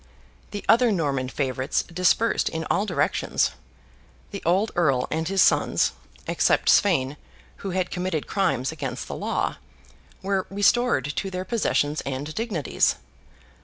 The other Norman favourites dispersed in all directions. The old Earl and his sons (except Sweyn, who had committed crimes against the law) were restored to their possessions and dignities.